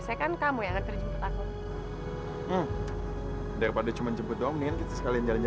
sampai jumpa di video selanjutnya